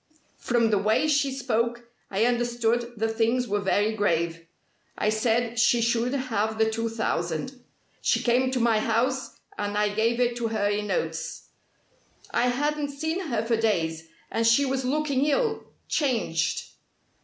From the way she spoke, I understood that things were very grave. I said she should have the two thousand. She came to my house and I gave it to her in notes. I hadn't seen her for days, and she was looking ill changed.